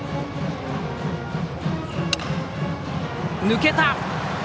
抜けた！